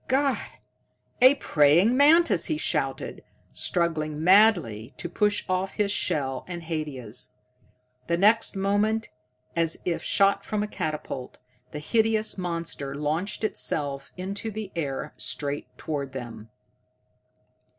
"God, a praying mantis!" he shouted, struggling madly to push off his shell and Haidia's. The next moment, as if shot from a catapult, the hideous monster launched itself into the air straight toward them.